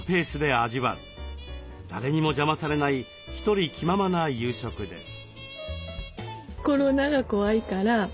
誰にも邪魔されないひとり気ままな夕食です。